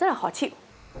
rất là khó chịu